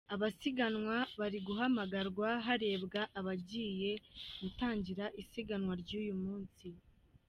Abasiganwa bari guhamagarwa harebwa abagiye gutangira isiganwa ry’uyu munsi.